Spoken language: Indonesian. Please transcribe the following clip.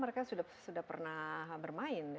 mereka sudah pernah bermain